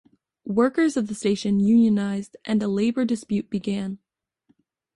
Workers of the station unionized and a labour dispute began.